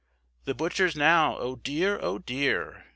The butchers now, oh dear! oh dear!